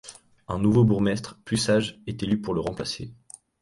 Un nouveau bourgmestre, plus sage, est élu pour le remplacer.